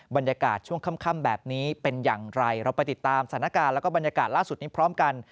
บรรยากาศช่วงค่ำแบบนี้เป็นอย่างไรเราไปติดตามสถานการณ์แล้วก็บรรยากาศล่าสุดนี้พร้อมกัน